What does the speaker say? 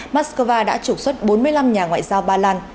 moscow đã trục xuất bốn mươi năm nhà ngoại giao ba lan